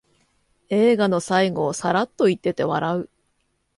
映画の最後をサラッと言ってて笑う